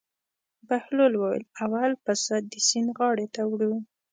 بهلول وویل: اول پسه د سیند غاړې ته وړو.